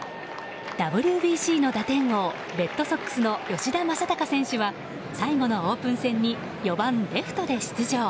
ＷＢＣの打点王レッドソックスの吉田正尚選手は最後のオープン戦に４番、レフトで出場。